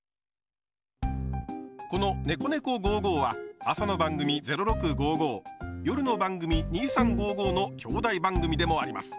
この「ねこねこ５５」は朝の番組「０６５５」夜の番組「２３５５」の兄弟番組でもあります。